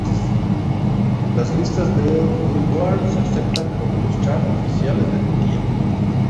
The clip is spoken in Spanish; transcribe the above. Las listas de Billboard se aceptan como los charts oficiales de Turquía.